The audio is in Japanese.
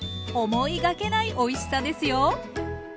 思いがけないおいしさですよ。